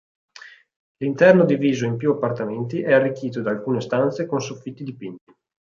L'interno diviso in più appartamenti è arricchito da alcune stanze con soffitti dipinti.